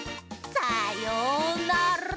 さようなら！